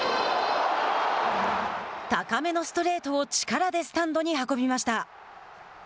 高めのストレートを力でスタンドに運びました。